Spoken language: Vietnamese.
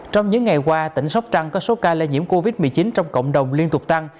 trong những ngày qua tỉnh sóc trăng có số ca lây nhiễm covid một mươi chín trong cộng đồng liên tục tăng